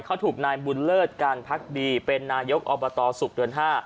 เขาถูกนายบุญเลิศการพักดีเป็นนายกอบตศุกร์เดือน๕